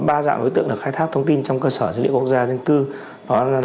ba dạng đối tượng được khai thác thông tin trong cơ sở dữ liệu quốc gia dân cư